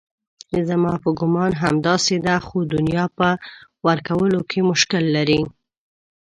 زما په ګومان همداسې ده خو دنیا په ورکولو کې مشکل لري.